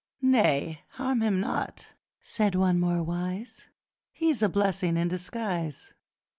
'Nay, harm him not,' said one more wise, 'He is a blessing in disguise!